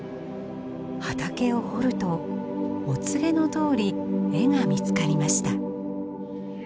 畑を掘るとお告げのとおり絵が見つかりました。